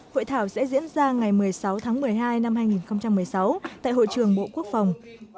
hội thảo sẽ diễn ra ngày một mươi sáu tháng một mươi hai năm hai nghìn một mươi sáu tại hội trường bộ quốc phòng